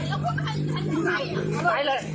เมื่อ